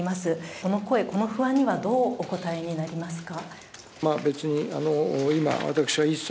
この声、この不安にはどうお答えになりますか？